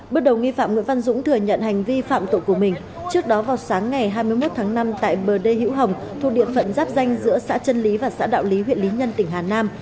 bước đầu nghi phạm nguyễn văn dũng thừa nhận hành vi phạm tội của mình trước đó vào sáng ngày hai mươi một tháng năm tại bờ đê hữu hồng thuộc địa phận giáp danh giữa xã trân lý và xã đạo lý huyện lý nhân tỉnh hà nam